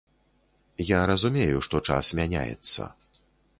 Я разумею, што час мяняецца.